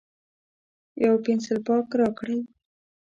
یو پینسیلپاک راکړئ